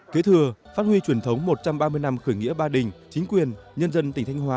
kế thừa phát huy truyền thống một trăm ba mươi năm khởi nghĩa ba đình chính quyền nhân dân tỉnh thanh hóa